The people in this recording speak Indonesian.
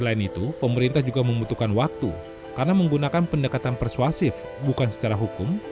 selain itu pemerintah juga membutuhkan waktu karena menggunakan pendekatan persuasif bukan secara hukum